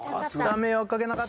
迷惑掛けなかった。